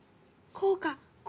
こうか！